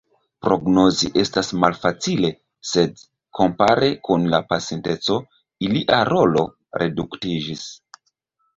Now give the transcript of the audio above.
Prognozi estas malfacile, sed kompare kun la pasinteco ilia rolo reduktiĝis.